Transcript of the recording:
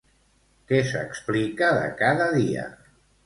Què s'explica de cada dia?